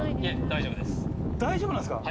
大丈夫なんすか。